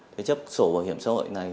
thế chất sổ bảo hiểm xã hội này